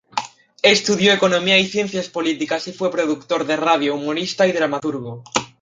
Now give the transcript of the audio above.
Estudió economía y ciencias políticas y fue productor de radio, humorista y dramaturgo.